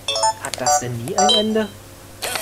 Hat das denn nie ein Ende?